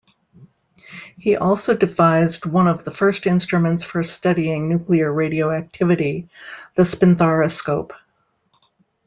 He also devised one of the first instruments for studying nuclear radioactivity, the spinthariscope.